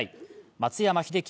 松山英樹